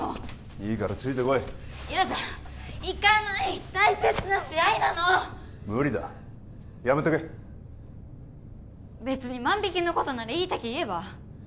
いいからついてこいヤダ行かない大切な試合なの無理だやめとけ別に万引きのことなら言いたきゃ言えば？